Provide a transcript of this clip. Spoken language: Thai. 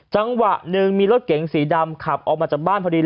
จังหวะหนึ่งมีรถเก๋งสีดำขับออกมาจากบ้านพอดี